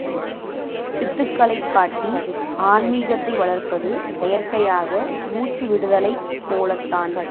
சித்துக்களைக் காட்டி ஆன்மீகத்தை வளர்ப்பது செயற்கையாக மூச்சுவிடுதலைப் போலத்தான்.